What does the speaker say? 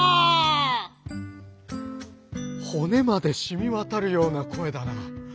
「骨までしみ渡るような声だな。